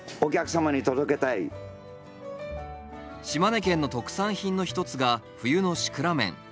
島根県の特産品の一つが冬のシクラメン。